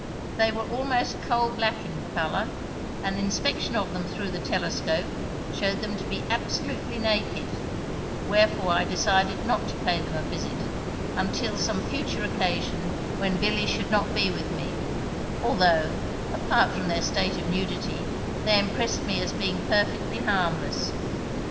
They were almost coal black in colour, and inspection of them through the telescope showed them to be absolutely naked, wherefore I decided not to pay them a visit until some future occasion when Billy should not be with me, although, apart from their state of nudity, they impressed me as being perfectly harmless.